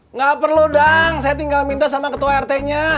nggak perlu dong saya tinggal minta sama ketua rt nya